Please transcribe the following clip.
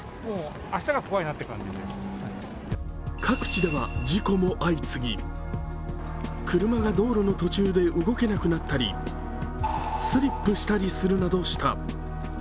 各地では事故も相次ぎ、車が道路の途中で動けなくなったり、スリップしたりするなどした。